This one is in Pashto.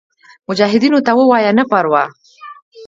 مجاهدینو ته ووایه نه پروا.